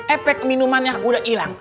epek minuman udah ilang